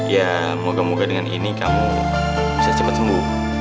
ya moga moga dengan ini kamu bisa cepat sembuh